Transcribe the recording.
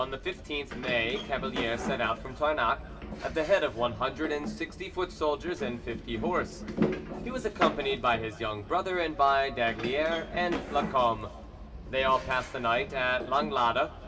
CHAPTER IV On the 15th May Cavalier set out from Tarnac at the head of one hundred and sixty foot soldiers and fifty horse; he was accompanied by his young brother and by d'Aygaliers and Lacombe. They all passed the night at Langlade.